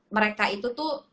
mereka itu tuh